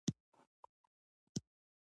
پسته د بادغیس او سمنګان شتمني ده.